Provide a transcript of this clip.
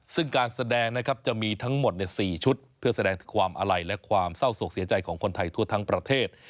ซึ่งการแสดงนะครับจะมีทั้งหมด๔ชุดเพื่อแสดงความอาลัยและความเศร้าโศกเสียใจของคนไทยทั่วทั้งประเทศ